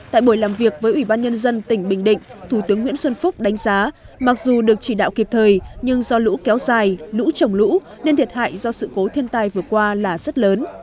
tại buổi làm việc với ủy ban nhân dân tỉnh bình định thủ tướng nguyễn xuân phúc đánh giá mặc dù được chỉ đạo kịp thời nhưng do lũ kéo dài lũ trồng lũ nên thiệt hại do sự cố thiên tai vừa qua là rất lớn